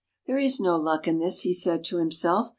" There is no luck in this," he said to himself.